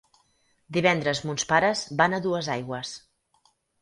Divendres mons pares van a Duesaigües.